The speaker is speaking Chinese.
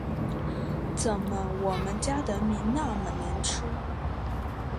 怎么我们家的米那么难吃